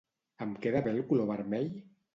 Em queda bé el color vermell?